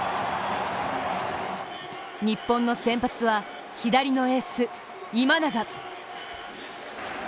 日本の先発は、左のエース・今永。